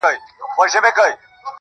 د ژوند دوران ته دي کتلي گراني ,